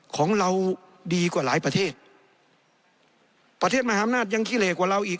ของเราดีกว่าหลายประเทศประเทศมหาอำนาจยังขี้เหลกกว่าเราอีก